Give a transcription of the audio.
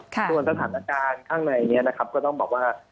ส่วนสถานการณ์ข้างในนี้นะครับก็ต้องบอกว่า